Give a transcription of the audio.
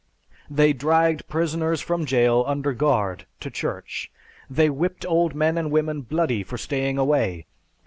They dragged prisoners from jail under guard to church. They whipped old men and women bloodily for staying away.